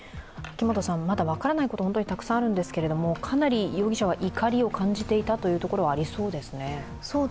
まだ分からないこと、本当にたくさんあるんですけど、かなり容疑者は怒りを感じていたということはありそうですね。